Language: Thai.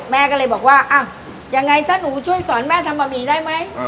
แม่ก็เลยบอกว่ายังไงซะหนูช่วยสอนแม่ทำบะหมี่ได้ไหม